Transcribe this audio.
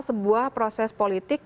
sebuah proses politik